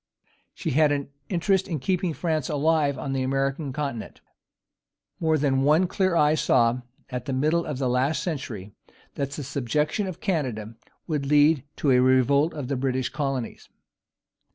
She had an interest in keeping France alive on the American continent. More than one clear eye saw, at the middle of the last century, that the subjection of Canada would lead to a revolt of the British colonies.